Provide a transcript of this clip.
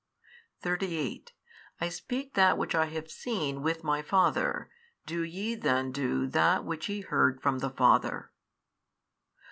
38 I speak that which I have seen with My Father, do YE then do that which ye heard 27 from the 28 Father.